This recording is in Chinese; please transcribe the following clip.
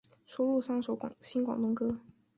收录三首新广东歌。